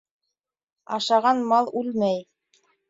Ашаған мал үлмәй.